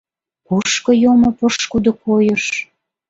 Кушко йомо пошкудо койыш?